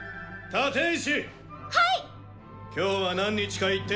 立石！